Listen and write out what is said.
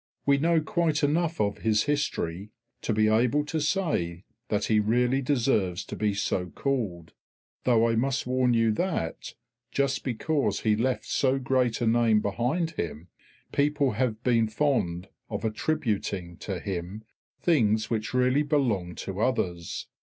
We know quite enough of his history to be able to say that he really deserves to be so called, though I must warn you that, just because he left so great a name behind him, people have been fond of attributing to him things which really belonged to others.